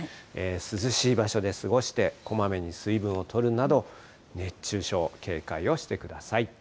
涼しい場所で過ごして、こまめに水分をとるなど、熱中症、警戒をしてください。